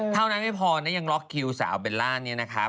เท่านั้นไม่พอนะยังล็อกคิวสาวเบลล่านี้นะครับ